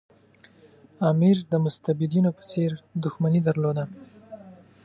امیر د مستبدینو په څېر دښمني درلوده.